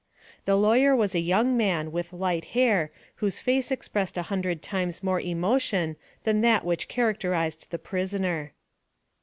The lawyer was a young man with light hair whose face expressed a hundred times more emotion than that which characterized the prisoner.